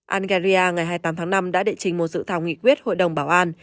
algeria ngày hai mươi tám tháng năm đã địa chỉnh một dự thảo nghị quyết hội đồng bảo an